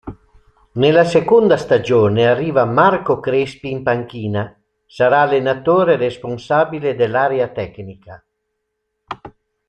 Nella seconda stagione, arriva Marco Crespi in panchina: sarà allenatore e responsabile dell'area tecnica.